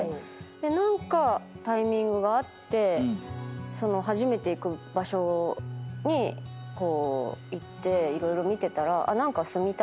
何かタイミングがあってその初めて行く場所に行って色々見てたら。